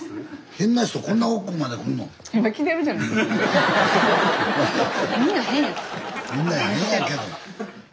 変な人みんな変やけど。